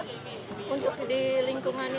untuk di lingkungan ini